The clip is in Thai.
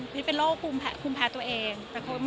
พี่เป็นโลกคุณแพทย์ตัวเอง